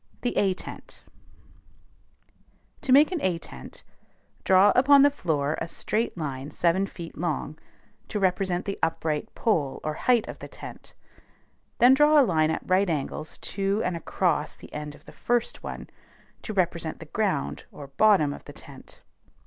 THE A TENT. To make an A tent, draw upon the floor a straight line seven feet long, to represent the upright pole or height of the tent; then draw a line at right angles to and across the end of the first one, to represent the ground or bottom of the tent.